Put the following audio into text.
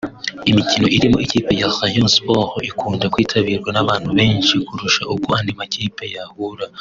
Imikino irimo ikipe ya Rayon Sports ikunda kwitabirwa n’abantu benshi kurusha uko andi makipe yahura